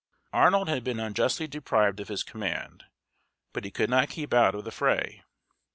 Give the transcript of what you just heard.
Arnold had been unjustly deprived of his command, but he could not keep out of the fray.